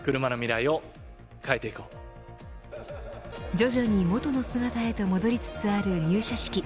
徐々に元の姿へと戻りつつある入社式。